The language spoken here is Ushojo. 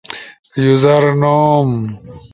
یوزر نوم